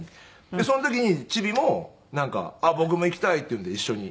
でその時にチビもなんか「僕も行きたい」って言うんで一緒に。